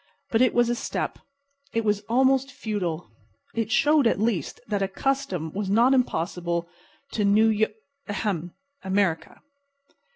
But it was a step. It was almost feudal. It showed, at least, that a Custom was not impossible to New Y—ahem!—America.